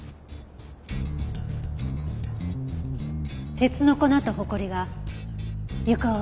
鉄の粉とホコリが床を覆ってる。